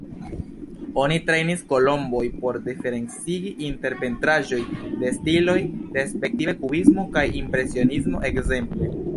Oni trejnis kolomboj por diferencigi inter pentraĵoj de stiloj respektive kubismo kaj impresionismo ekzemple.